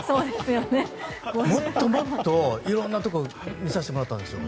もっともっと色んなところを見させてもらったんですよ。